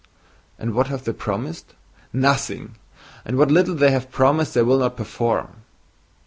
And what have they promised? Nothing! And what little they have promised they will not perform!